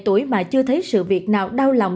tuổi mà chưa thấy sự việc nào đau lòng